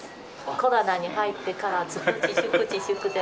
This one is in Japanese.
コロナに入ってからずっと自粛、自粛で。